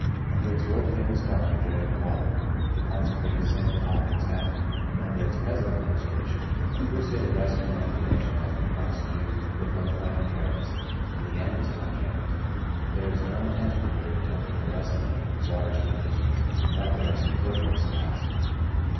Under its world famous founder, Jerry McAuley, the consecrated Samuel Hopkins Hadley, and under its present administration, a crusade of rescue and reclamation has been prosecuted with unflagging heroism ; and the end is not yet. There is no intention here of attempting a resume of " Water Street" history. That were a superfluous task.